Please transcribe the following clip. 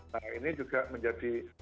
nah ini juga menjadi